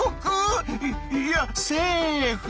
いいやセーフ！